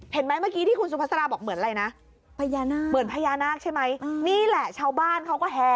เห็นไหมเมื่อกี้ที่คุณสุพัสราบอกเหมือนอะไรนะ